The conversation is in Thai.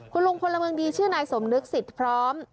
คุณลุงพลเมืองดีชื่อนายสมนึกสิทธิ์พร้อม